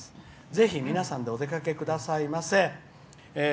ぜひ、皆さんでお出かけくださいませ。